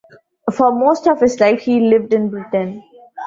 For most of his life he lived in Britain.